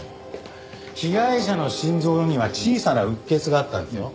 被害者の心臓には小さなうっ血があったんですよ。